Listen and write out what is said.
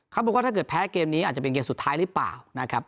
เขาบอกว่าถ้าเกิดแพ้เกมนี้อาจจะเป็นเกมสุดท้ายหรือเปล่านะครับ